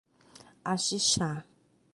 Axixá